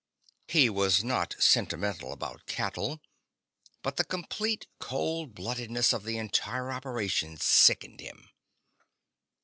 He was not sentimental about cattle, but the complete cold bloodedness of the entire operation sickened him.